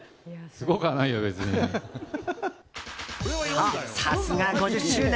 と、さすが５０周年！